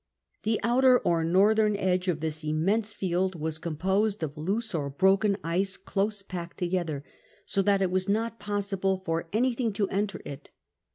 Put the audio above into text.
The outer or northern edge of this imnvense field was composed of loose or l^wjken ice close packed together, so that it was not 2>ossii)le for anything to enter it.